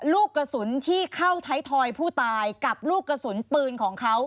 ลูกกระสุนที่เข้าไทยทอยผู้ตายกับลูกกระสุนปืนของเขา